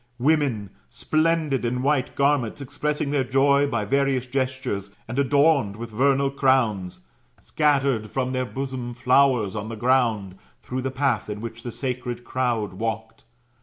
Women, splendid in white garments, ex pressing their joy by various gestures, and adorned with vernal crowns, scattered from their bosoms flowers otk the ground, through the path in which the sacred crowd walked.